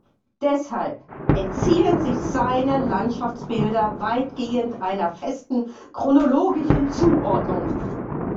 Deshalb entziehen sich seine Landschaftsbilder weitgehend einer festen chronologischen Zuordnung.